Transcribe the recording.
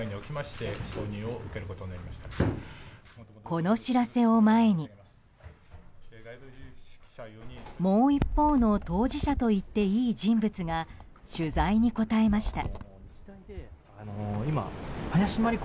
この知らせを前にもう一方の当事者といっていい人物が取材に答えました。